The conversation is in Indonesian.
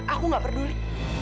aku gak peduli